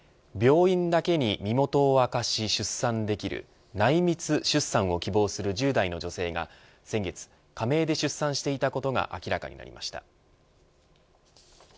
病院だけに身元を明かし出産できる内密出産を希望する１０代の女性が先月仮名で出産していたことが分かりました。